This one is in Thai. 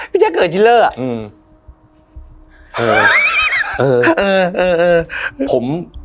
แจ๊เกิดจิลเลอร์อ่ะอืมเออเออเออเออผม